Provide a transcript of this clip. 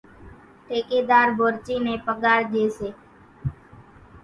ٺڪيۮار ڀورچِي نين پڳار ڄيَ سي۔